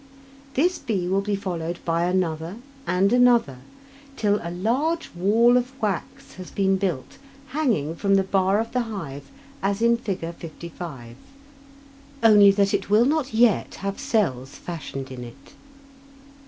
This bee will be followed by another, and another, till a large wall of wax has been built, hanging from the bar of the hive as in Fig. 55, only that it will not yet have cells fashioned in it.